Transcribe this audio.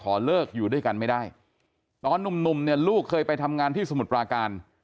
เลิกอยู่ด้วยกันไม่ได้ตอนหนุ่มเนี่ยลูกเคยไปทำงานที่สมุทรปราการ